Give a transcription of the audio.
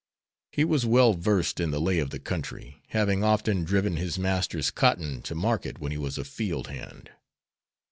He was well versed in the lay of the country, having often driven his master's cotton to market when he was a field hand.